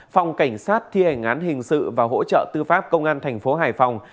phòng cảnh sát thi hành án hình sự và hỗ trợ tư pháp công an thành phố hải phòng